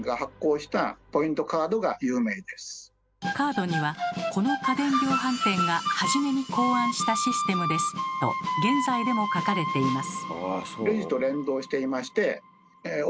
カードにはこの家電量販店が初めに考案したシステムですと現在でも書かれています。